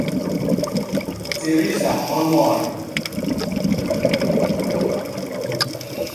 Teriza Ọnụọra